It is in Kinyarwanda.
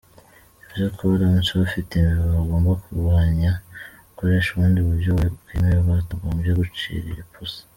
Yavuze ko baramutse bafite imbeba bagomba kurwanya, bakoresha ubundi buryo bwemewe batagombye gucirira ipusi.